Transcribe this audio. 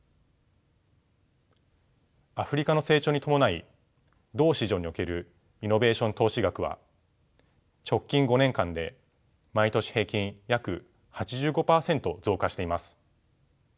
アフリカの成長に伴い同市場におけるイノベーション投資額は直近５年間で毎年平均約８５％増加しています。